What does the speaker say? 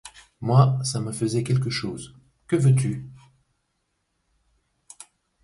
Moi, ça me faisait quelque chose, que veux-tu!